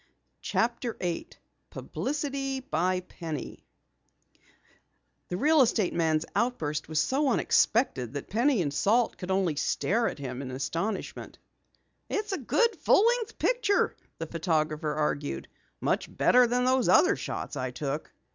CHAPTER 8 PUBLICITY BY PENNY The real estate man's outburst was so unexpected that Penny and Salt could only stare at him in astonishment. "It's a good full length picture," the photographer argued. "Much better than those other shots I took."